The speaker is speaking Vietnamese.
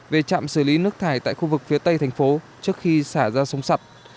về trạm xử lý nước thải tại khu vực phía tây thành phố trước khi xả ra sông sặt